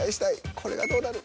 これがどうなる？